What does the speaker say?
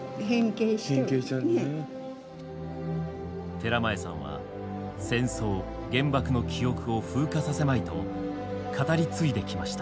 寺前さんは戦争原爆の記憶を風化させまいと語り継いできました。